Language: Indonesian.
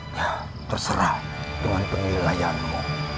ya terserah dengan penilaianmu